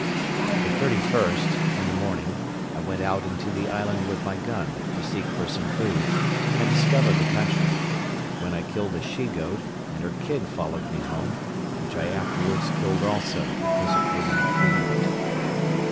The 31st, in the morning, I went out into the island with my gun, to seek for some food, and discover the country; when I killed a she goat, and her kid followed me home, which I afterwards killed also, because it would not feed.